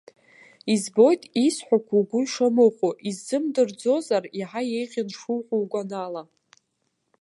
Избоит исҳәақәо угәы ишамыхәо, исзымдырӡозар иаҳа еиӷьын шуҳәо угәанала.